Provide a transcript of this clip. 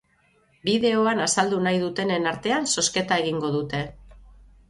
Bideoan azaldu nahi dutenen artean zozketa egingo dute.